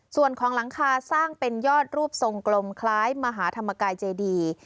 ส่วนของหลังคาสร้างเป็นยอดรูปทรงกลมคล้ายมหาธรรมกายเจดี